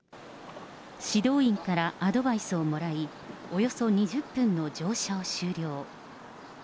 指導員からアドバイスをもらい、およそ２０分の乗車を終了。